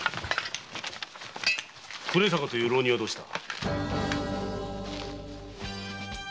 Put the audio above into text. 暮坂という浪人はどうした？